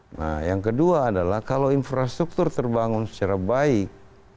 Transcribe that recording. nah yang kedua adalah kalau infrastruktur terbangun secara baik